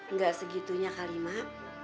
nggak segitunya kali mak